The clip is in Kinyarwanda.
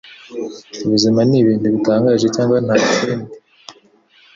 Ubuzima nibintu bitangaje cyangwa ntakindi.